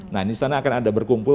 nah di sana akan ada berkumpul